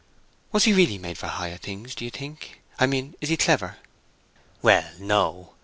"Was he really made for higher things, do you think? I mean, is he clever?" "Well, no.